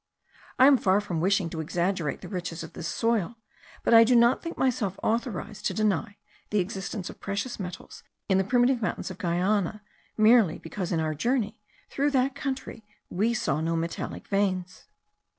I am far from wishing to exaggerate the riches of this soil; but I do not think myself authorized to deny the existence of precious metals in the primitive mountains of Guiana, merely because in our journey through that country we saw no metallic veins.